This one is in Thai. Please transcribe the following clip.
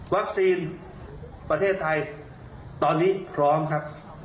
ประเทศไทยตอนนี้พร้อมครับ